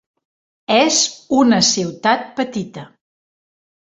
És una ciutat petita.